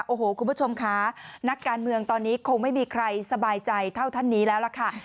โอ้โหคุณผู้ชมค่ะนักการเมืองตอนนี้คงไม่มีใครสบายใจเท่าท่านนี้แล้วล่ะค่ะ